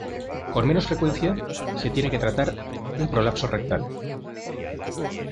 Con menos frecuencia se tiene que tratar un prolapso rectal.